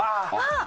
あっ！